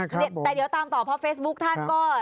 แต่เดี๋ยวตามต่อเพราะเฟซบุ๊คท่านก็